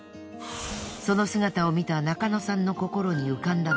その姿を見た中野さんの。